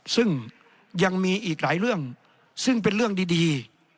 ซึ่งยังมีอีกหลายเรื่องซึ่งเป็นเรื่องดี